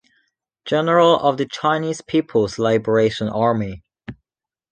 General of the Chinese People’s Liberation Army.